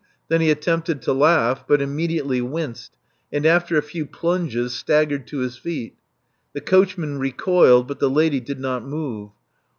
Then he attempted to laugh, but immediately winced, and after a few plunges staggered to his feet The coachman recoiled; but the lady did not move.